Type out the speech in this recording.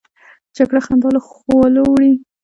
جګړه خندا له خولو وړي